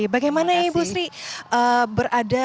bagaimana ibu sri berada